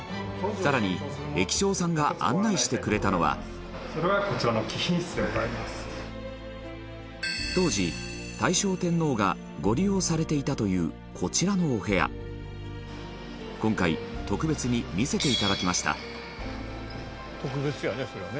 更に、駅長さんが案内してくれたのは当時、大正天皇がご利用されていたというこちらのお部屋今回特別に見せていただきました石原：特別だね、それはね。